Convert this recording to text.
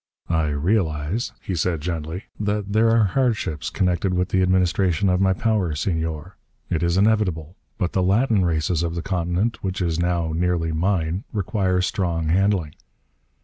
"I realise," he said gently, "that there are hardships connected with the administration of my power, Senor. It is inevitable. But the Latin races of the continent which is now nearly mine require strong handling.